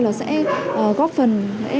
là sẽ góp phần